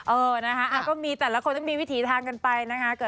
เออนะคะก็มีแต่ละคนต้องมีวิถีทางกันไปนะคะ